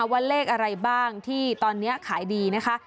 ว่าเลขอะไรบ้างที่ตอนนี้ขายดีนะคะ